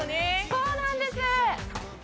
そうなんです。